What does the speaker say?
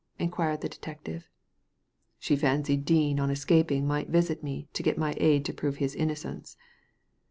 " inquired the detective. '^ She fancied Dean on escaping might visit me to get my aid to prove his innocence."